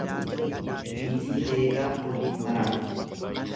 Niitii deegaa fooniif maraacha.